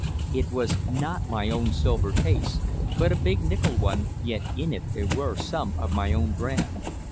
It was not my own silver case, but a big nickel one, yet in it there were some of my own brand.